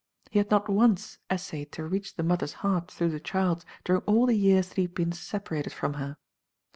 He had not once essayed to reach the mother's heart through the child's during all the years that he had been sep arated from her.